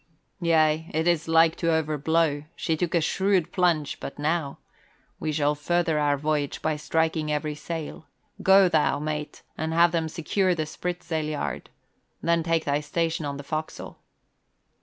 "Yea, it is like to over blow. She took a shrewd plunge but now. We shall further our voyage by striking every sail. Go thou, mate, and have them secure the spritsail yard, then take thy station on the forecastle."